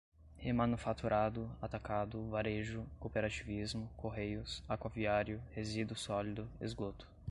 remanufaturado, atacado, varejo, cooperativismo, correios, aquaviário, resíduo sólido, esgoto